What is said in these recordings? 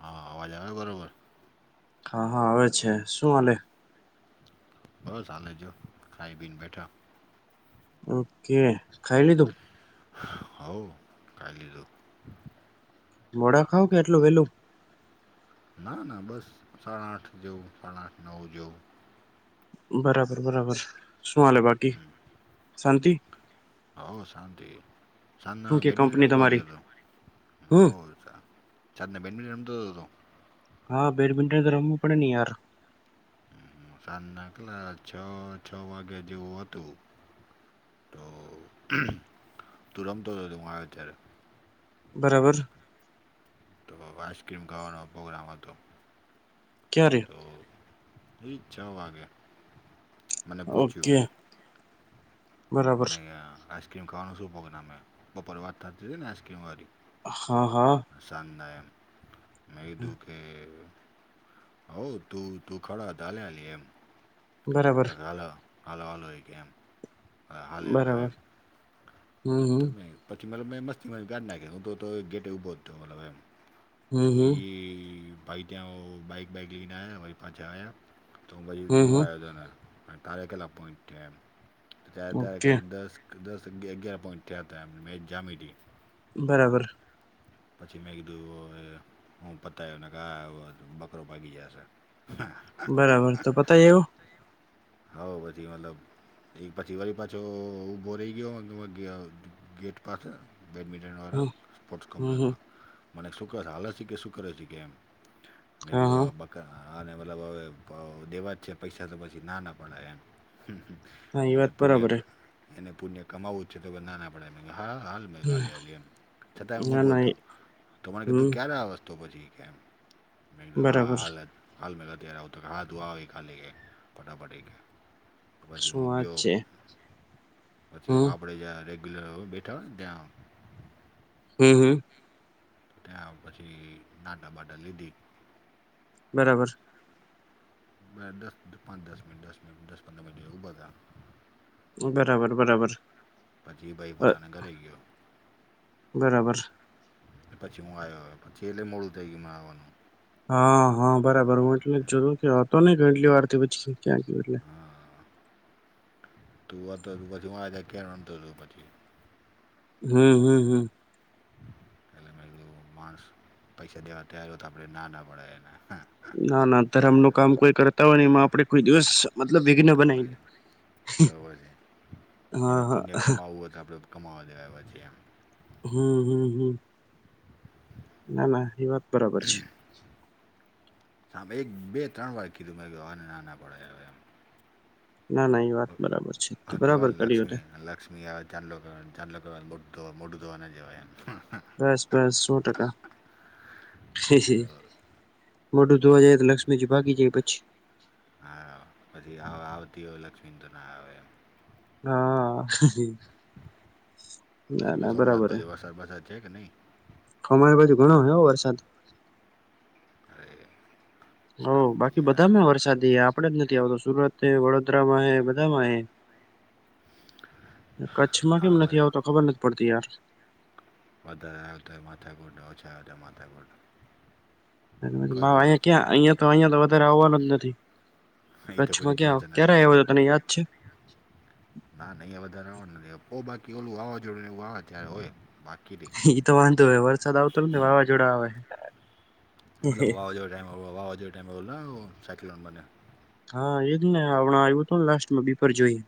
હા, અવાજ આવે બરોબર? હા હા, આવે છે શું હાલે? બસ આનંદ જો ખાઈ પીને બેઠા. ઓકે ખાઈ લીધું? હોઅ, ખાય લીધું. મોડા ખાવ કે એટલું વેલું? ના ના બસ સાડા આઠ જેવુ સાડા આઠ નવ જેવુ. બરાબર બરાબર, શું હાલે બાકી શાંતિ? હવ શાંતિ શું સાંજના કે બેડમિન્ટન કંપની રમવા તમારી ગયો તો મે હમ [unintelligible] સાંજે બેડમિન્ટન રમતો તો તું હા, બેડમિન્ટન તો રમવું પડે ની યાર. હ સાંજના કેટલા છ છ વાગે જેવું હતું. તો તુરમતો હું આયો અત્યારે. બરાબર. તો આઈસક્રીમ ખાવાનો પ્રોગ્રામ હતો. કયારે? તો એ જ છ વાગે મને ઓકે પૂછ્યું. બરાબર મને આઈસ્ક્રીમ ખાવાનું શું પગ ને અમે બપોરે વાત થતી હતી ને આઈસ્ક્રીમવાળી. હા હા. શાને નઈ દુઃખે. હો તું તું ખડાતલેલી એમ બરાબર ધાણા લો. હાલ વાનો કેમ હાલે એ બરાબર એમ. હમ હમ તમે પછી મતલબ મેં મસ્તી મસ્તી ગાડ નાખી હું તો ગેટે ઊભો જ હતો મતલબ એમ. હમ તો હમ ઈ ભાઈ ત્યાં બાઈક બાઈક લઈને આયા ભાઈ પાછા આયા. તો પછી હમ જો હમ આયોજન કાલે કેટલા પોઈન્ટ થયા એમ કાકે ઓકે દસ. દસ અગિયાર પોઈન્ટ થયા હતા મેચ જામી તી. બરાબર. પછી મેં કીધું હવે. હું પતાયોને કા બકરો ભાગી જાશે. બરાબર, તો પતાય એવું. હોવ પછી મતલબ. એ પછી વરી પાછો ઉભો રેય ગયો ગેટ પાછડ. બેડમિન્ટન વાડો હમ સ્પોટર્સ હમ કોપરશ હમ મા. મને શુ હાલે છે કે શુ કરે છે કે એમ મેં હા હા કીધું આ અને મતલબ હવે દેવા જ છે પૈસા તો પછી ના ના પડાય એમ. હા એ એને વાત પુણ્ય બરાબર ક હે. એને પુણ્ય કમાવવું જ છે તો નાના પડે હા, હાલ. છતાં એમ ના ઉભો ના હતો એ તમારે હમ કીધું ક્યારે વસ્તુ પછી કેમ. હા, બરાબર હાલે હાલ મે આવતો રે તુ આવ ફટાફટ. પછી શું હું વાત ગયો છે પછી હમ આપડે જયારે [unintelligible] હમ હમ. ત્યાં પછી નાટા બાટા લીધી. બરાબર. દસ પંદચ દસ મન્ટ દસ મન્ટ દસ પંદ મન્ટ બદા. બરાબર બરાબર. પછી ભાઈ અ પોતાના ઘરે ગિયો. બરાબર. પછી હું આવ્યો પછી એટલે મોડું થઈ ગયુંમાં આવવાનું. હા હા બરાબર હું એટલે જો ક હતો નહ ગટલી વાર થી પછી ક્યાં ગય એટલે. હા તુંતો ત પછી હજ કેતો તું પછી. હમ હમ હમ. એટલે મેં કીધું માણસ પૈસા દેવા તૈાર હોય તો આપણે ના ના પડે એને હે. ના ના ધરમ ન કામ કોઈ કરતા હોય ને એમાં આપડે કોઈ દિવસ. તર મતલબ વિઘ્ન છે બનાવી તવય છે હા એને પુણ્ય હા કમાવવું હોય તો આપણે. કમાાવવા દેવા પછી એમ. હમ હમ હમ. ના ના એ વાત. બરાબર છે સાભ એક બે ત્રણ વાર કીધું મેં ગ અને નાના પડ એમ ના ના એવાત. હા કહેવાય ને લક્ષ્મી લક્ષ્મી આવે. ચાદલો ચાદલો મોટ ધવા મોઢ ધોવાના જેવા. બસ બસ સો ટકા મોઢું ધોવા જઈ. લક્ષ્મી જી ભાગી જાય પછી હા પછી આવતી હોય લક્ષ્મી તો ના આવે એમ હા ના શું કે ના સોમનાથ બરાબર ભાઈ વરસાદ વરસાદ છે કે નહી ખમારી બાજુ ઘણો હોયો વરસાદ અરે હ શાંતિ બાકી યાર. બધામાં વરસાદી આપડે જ નથી આવતો સુરત વડોદરામાં હે બધામાં હે કચ્છમાં હા કેમ નથી વધારે આવતો ખબર નથી પડતી યાર વધારે આવે તોય માથાકુટ ઓછા આવે તોય માથાકૂટ [unintelligible] કોઈ ભાવ પણ અહીંયા વસ્તુ ક્યા અહીંયા તો અહિયાં તો વધારે આવવાનું જ નથી એ તો કોઈ કચ્છમાં દી ચાન્સ ક્યાં જ ક્યારે નથી. આવ્યો તો તને યાદ છે ના અંયા વધારે આવવા નથી બઉ બાકી ઓલું વાવાઝોડે ને એવું વાવા ત્યારે હોય બાકી તી ઈ તો વાંધો હોય વરસાદ આવતો ને વાવાઝોડા આવે [unintelligible] હા એજ ને હમણાં આવ્યું હતું ને લાસ્ટમાં બીપર જોઈ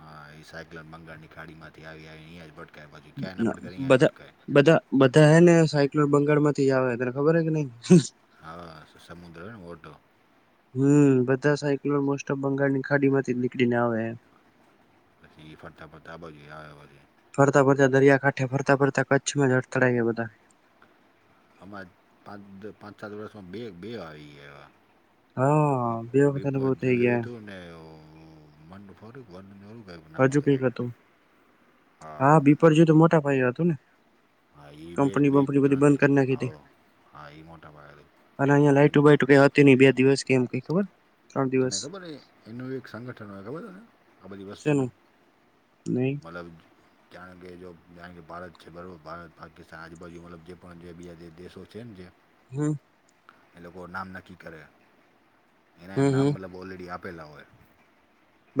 હા ઈ સાયકલ બંગાળની ખાડી માંથી બધા [unintelligible] બધા બધા હે ને સાયકલોર બંગાળ માંથી આવે તને ખબર હે કે નઈ આ સમુદ્રને વોટો હમ બધા સાયકલો મોસ્ટ ઓફ બંગાળ ની ખાડી માંથી નીકળીને આવે પછી ફરતા ફરતા આબાજુ આવે વરી ફરતા ફરતા દરિયાકાંઠે ફરતા ફરતા કચ્છમાં જ અડથળાઈ ગયા બધા અમા પાંચ પાંચ સાત વર્ષમાં બે બે આવી ગયા એવા હા બે વખત અનુભવ થઈ ગયા [unintelligible] હજુ કઈક કંઈક હતું હા બીપર જોયું તો મોટા ભાઈ હતું ને હા ઈ બે કંપની બે બંપની બધી ત્રણ બંધ થયાં કરી નાખી હતી આવઓ હા ઈ મોટા ભાગ અને [unintelligible] [inaudible] બે દિવસ કેમ એવુ કઈ ખબર ત્રણ તને દિવસ ખબર એનું એક સંગઠન હોય ખબર તને આ બધી શેનું વસ્તુનું નહી મતલબ જાણ કે જો જાણ કે ભારત છે બરાબર ભારત પાકિસ્તાન આજુબાજુ મતલબ જે પણ જે બીજા જે દેશો છે ને જે હમ એ લોકો નામ નક્કી કરે ને હમ નામ હમ બતલબ ઓલરેડી આપેલા હોય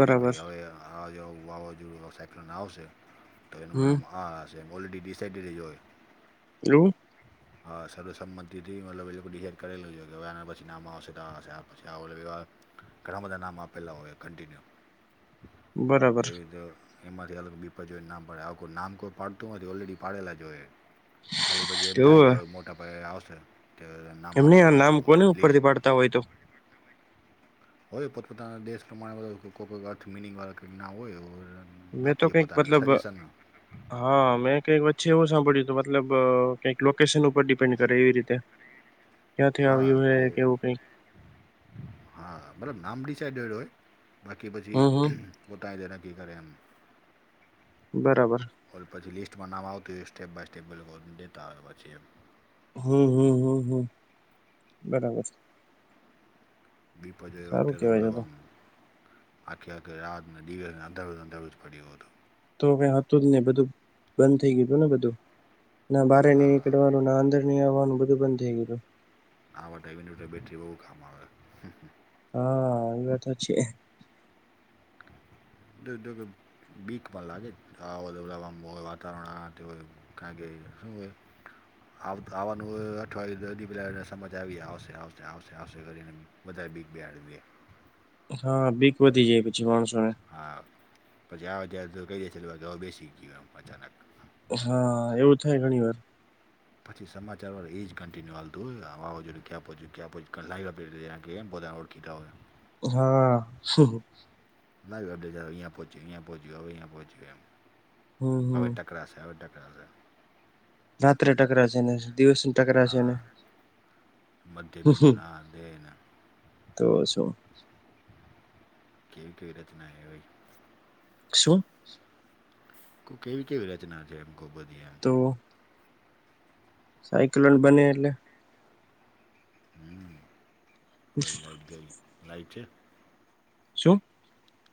કે ભાઈ હવે આ જો વાવાઝોડું સાયકલન આવશે તો એનું હમ નામ આ જેમ ઓલરેડી [unintelligible] એવુ હા સર્વસંમતિ થી મતલબ એ લોકો ડિસાઈડ કરેલું છે કે હવે એના પછી નામ આવશે આ પછી. [unintelligible] ઘણા બધા નામ આપેલા હોય કન્ટિન્યુ. તે બરાબર રીત એમાંથી અલગ બીપા જોઈને નામ પાડે આવ કોઈ નામ કોઈ પાડતું નથી ઓલરેડી પાડેલા જ હોય ખાલી પછી એમ થાય કે એવું હવે મોટા પાયે આવશે કે. નામ એમને આપી આ દે નામ હાલું કોને ઉપર લિસ્ટ થી પાડતા હોય તો. હોય પોતપોતાના દેશ પ્રમાણે બધ કોઈ અર્થ મિનિંગ વાળાઈ ના હોય. મેં તો નાખી દે કઈક પોતાના મતલબ સજેશન હા મેં કઈક વચ્ચે એવું સાંભળ્યું હતું મતલબ. કઈક લોકેશન ઉપર ડિપેન્ડ કરે એ રીતે. ક્યાંથી હા આવ્યું હે કોઈ કેવું કઈક હા મતલબ નામ ડિસાઈડેડ હોય બાકી પછી હમ હમ પોતા જે નક્કી કરે એમ. બરાબર. કોલ પછી લિસ્ટમાં નાવ આવતું હોય સ્ટેપ બાય સ્ટેપ લેતા આવે પછી એમ હમ્મ હમ્મ હમ્મ હમ્મ બરાબર. દીપજ વતે સારું રમ કેવાય રવમ. આખી આખે રાતને દિવસ અંદર જ અંદર જ પડ્યો હતો. તો હ હતું જ ને બધું બંધ થઈ ગયું ને બધું ના બારે નહી હા નીકળવાનું ના અંદર. આયા આવવાનું બધું બંધ થઈ ગેલું આવા ટાઈમની જોટ બેટરી બહુ કામ આવે. હા એ તો છે. દદગ. બીક પણ લાગે આ હો તોલ હોય વાતાવરણ તે હોય. કાગે હુંવે. આવવાનું અઠવાડિય દદી પેલાને સમજ આવી આવશે આવશે આવશે આવશે કરીને. વધધારે બીક બ બેહારવીએ. હા બીક વધી જાય પછી માણસો ને. હા તોજાર હજાર દૂર કરી જાય છે બેસીીખ જએ અચાનક. હા એવું થાય ઘણી વાર. પછી સમાચાર વાળ એ જ કન્ટિન્યુલતું [unintelligible] ક્યા ક્યા લ. ગીધ હોય. હા. [unintelligible] અહીંયા પૂછે અહીંયા પૂચે હમ હમ હવે ટક ટકશે હવે ડકરશે. રાત્રે ટકરા છે ને દિવસ. ટકરાશે ને ના મતીબિંદુ ના દન. તો શું કેવી કેવી રચના એ હોય. શું. કેવી કેવી રચના છે એમ ખુ બધી. તો. સાઈકલન બને એટલે. વ લાઈટ ગઈ લાઈટ છે. શું.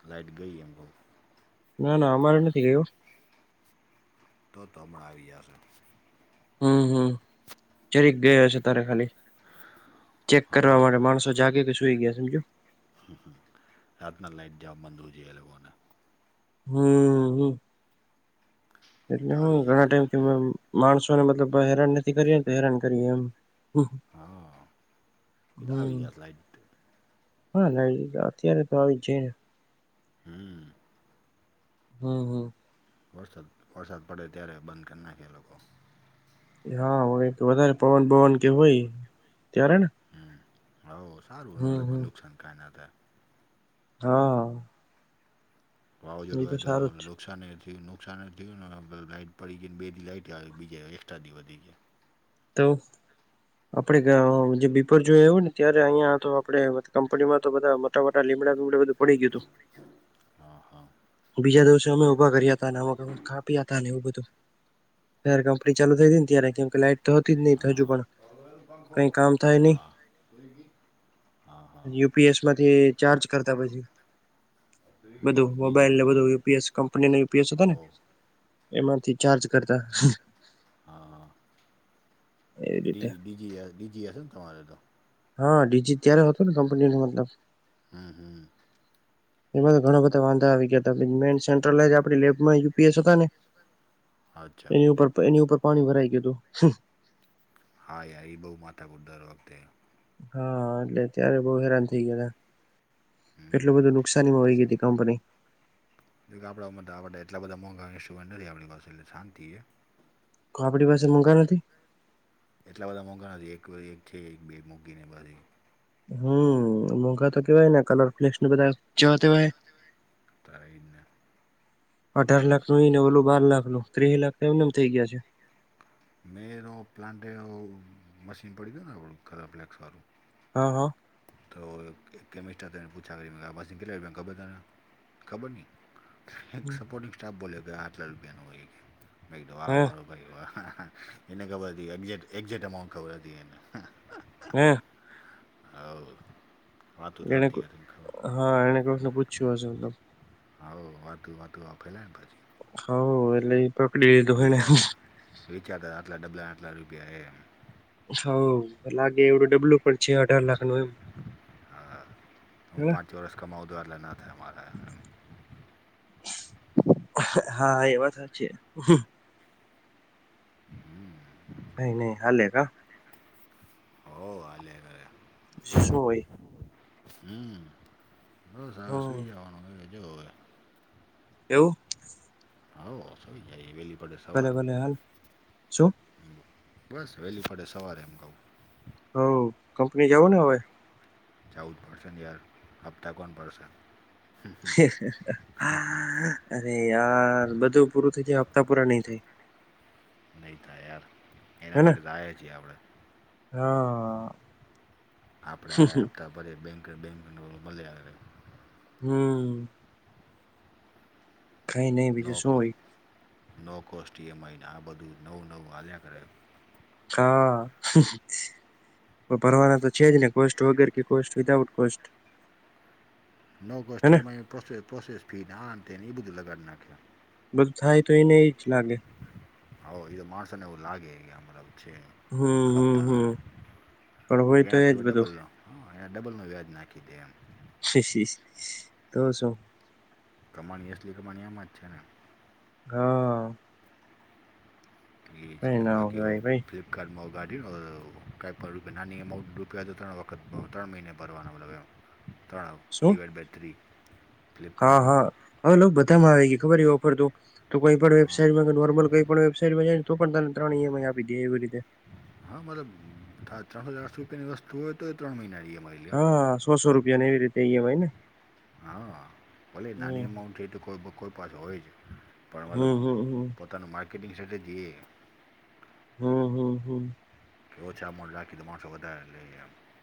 લાઈટ ગઈ એમ કવ ના ના અમાર નથી ગય હ. તો તો હમણાં આવી જશે. હમ હમ જરીક ગયો હ છે તારે ખાલી ચેક કરવા માટે હો માણસો. જાગ કે શુંઈ ગયા સમજો. હ હ રાતના લાઈટ જવા બંધ હો જોઈએ એ લોકોને. હમ્મ હમ, હમ. એ એટલે, તો હું આવી ઘણા જશે ટાઈમ માણસોને, મતલબ, હેરાન નથી કરી. તો હેરાન કરીએ એમ હા, એ તો આવી હમ્મ. જશે લાઈટ. હા, ને અત્યારે તો આવી જાય ને હમ્મ હમ્મ હમ્મ વરસાદ વરસાદ પડે ત્યારે બંધ કરી નાખે એ લોકો. હા હો, વધારે પવન, પવન કે હોય ત્યારે ને હા, હવે હમ્મ નફા હમ્મ. નુકસાન કાંઇ ના થાય. હા. [unintelligible] એ તો સારું જ છે નુકસાાન થયું. નુકસાન થયું ને લાાઈટ પડી ગઈ ને બે દથી લાઈઇટ આવે. બીજા એક્સ્ટ્રાથી વધી જાય. તો. આપડે જે બપોરે જોએ આવું ને, ત્યારે અહિંયા તો આપડે કંપનીમાં તો બધા આટલો બધો લીંમડા વીમડા પડી ગયો તુ હા હા બીજા દિવસે અમે ઉભા કર્યા હતા ને, અ કાપી હતા ને, એવું બધું. હ, કંપની ચાલુ થઈ ગઈ ને. ત્યારે કેમ કે લાઈટ તો હતી જ નહી હજુ હા, પણ પખો કઈ કામ થાય નહી હા. હા હા યુપીએસ માંથી ચાર્જ કરતા પછી સ્વિગી બધું મોબાઈલ ને ડીજીમાંથી બધું, યુપીએસ કંપની ને યુપીએસ હો હતા ને. એમાંથી ચાર્જ કરતા. હા, એવી રીતે ડીજી ડીજી જશે ને તમારે તો. હા, ડીજીટલ ત્યારે હતો ને, કંપની નો મતલબ. હમ્મ હમ્મ [unintelligible] એમાં તો ઘણા બધા વાંધા આવી ગયા. મેન સેન્ટ્રલ, લેબમાં યુપીએસ હતા ને. અચ્છા એની ઉપર, એની ઉપર પાણી ભરાઈ ગયું હતું. હા, યાર એ બહુ માથા દર વખતે. હા, એટલે અત્યારે બહુ હેરાન થઇ ગયા હતા. કેટલું હમ બધું નુકસાનીમાં વઈ ગઈ હતી, કંપની તો કે, આપણા ઉપર આપણે એટલા બધા મોંઘા ઇસ્ટુન્ટ નથી આપણી પાસે, એટલે શાંતિ છે. કો આપણી પાસે મોંઘા નથી. એટલા બધા મોંઘા નથી એક-એક એક-બે મૂગી ને બધી. હમ્મ મોઘા તો કેવાય ને, કલર ફ્લેસ ને બધા. જોવા તે વાય તારે એ જ ને અઢાર લાખ નું ઈ ને, ઓલું બાર લાખ નું. ત્રીસ લાખ, એમને એમ થઇ ગયા છે મેં તો પ્લાન્ટ. એવું મશીન પડી ગયો ને, આપણું ખરફ્લેક્સ વાળું. હા, હા. તો કેમિસ્ટને પૂછા કરી કેટલા આયા ખબર તને ખબર ની એક સપોર્ટિંગ સ્ટાફ બોલ્યો કે, આટલા રૂપિયા નો હોય મે કીધું આ હા મારો અરે વાહ! એને ખબર હતી એક્જેક્ટ એક્જેક્ટ અમાાઉન્ટ ખબર હતી એને. હમ્મ હા. એને, હા, એણે પ્રશ્ન પૂછ્યું હશે, મતલબ. હા, વાતું વાતું આપેલા ને પછી હો એટલે ઈ વિચારતા વિચારતા, અટલા ડબલા, અટલા રૂપિયા, એમ. હ, લાગે એવડું ડબલુ પણ છે, અઢાર લાખ નું, એવુ હા, હું પાંચ વર્ષ કમાઉ તો ના થાય અમારા હા એ વાત હાચી હમ્મ નહી નહીં હાલે કા હો આલે વિજ શું હોય હમ્મ બસ હવે હમ સુઈ જવાનું કે જોવ હવે એવું હ સઈ જાય વેલી પડે ભલે સવાર ભલે હાલ શું બસ વહેલી ફડ સવારે એમ કઉું હ કંપની જવ ને હવે જવુશ પડશે ને યાર હપ્તા કોન ભરશે અરે યાર બધું પૂરું થઇ જાય હપ્તા પૂરા નઈ થાય નહીં થાય યાર એના હેને માટે રાાય છીએ આપણે હા આપડે આ હફ્તા ભરિયે બેંક બેંક નુ મળી આવે હમ ખાઈ નહીં બીજે નો શું કો હોય નો કોસ્ટ ઈએમઆઈન આ બધું નવું નવું વાલ્યા કરે હા ભરવાના તો છે જ ને કોસ્ટ વગ કે કોસ્ટ વિદાઉટ કોસ્ટ નવ ગસ્ટથી હેને એમાં એ પ્રોસેસ પ્રોસેસ ફીને આ તે એને એ બધું લગાડી નાખ્યું બધું થાય તો એ નહી જ લાગે હ એ તો માણસો ને એવું લાગે ગયા મબ છે હમ હમ હમ પણ હોય તો એજ કપ્તાનનાથી વડ બધું બલલો હયા ડબલ નો વ્યાજ નાખી દે એમ, તો શું. કમાણી અસલી કમાણી એમાં જ છે ને, હા, ઠીક કઈ હૈ ના બાકીઓ કેવાય ભાઈ ફ ઘર માં ગાડી કંઈ પણ નાની રૂપિયા તો ત્રણ વખત ત્રણ મહિનેનો ભરવાનાનો લગ, ત્રણ શું ડીવાયડ બાય થ્રી. હા ફ્લિપકાર્ટમાં હા હવે લો બધામાં ઇ ખબર હ ઓફર તો, તો કોઈ પણ હા વેબસાઈટમાં નોર્મલ કોઈ પણ વેબાઈટમાં જાયને તો પણ તને ત્રણ ઈ એમ આઇ આપી દે એવી રીતે, હા મતલબ ત્રણસો ચારસો રૂપિયાની વસ્તુ હોય તો એ ત્રણ મહિનાની એમાઈ લે, સોસો રૂપિયા ને એવી રીતે ઈ એમ આઈને, હા ભલે નાની અમાઉન્ટ છે તો કોઈ કોઈ પાસે હોય જ પણ મતલબ, હમ હમ હમ ત મ માર્કેટિંગ સ્ટ્રેટેજી એ, હમ હમ હમ, કેવ ઓછા માઉન્ટ રાખી તો મોણસો વધારે લે એમ,